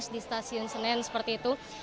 di stasiun senen seperti itu